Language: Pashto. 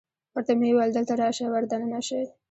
ورته مې وویل: دلته راشئ، ور دننه شئ.